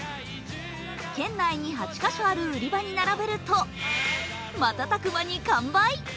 県内に８カ所ある売り場に並べると瞬く間に完売。